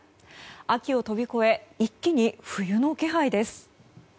秋を飛び越え一気に冬の気配です。